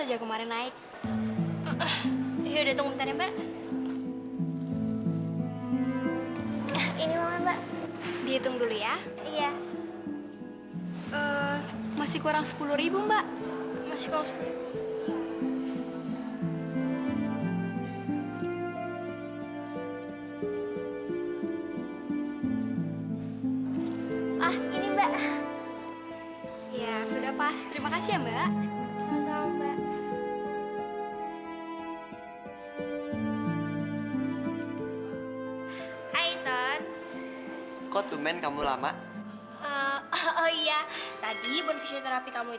jangan lupa tulis video ini